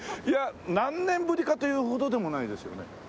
いや何年ぶりかというほどでもないですよね？